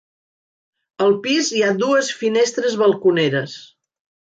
Al pis hi ha dues finestres balconeres.